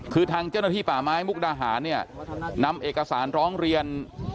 คือทางเจ้าหน้าที่ป่าไม้มุกดาหารเนี่ยนำเอกสารร้องเรียน